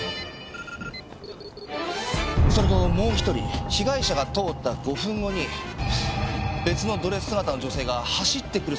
それともう一人被害者が通った５分後に別のドレス姿の女性が走ってくる姿も映っています。